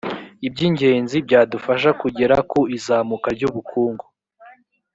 iby ingenzi byadufasha kugera ku izamuka ry ‘ubukungu.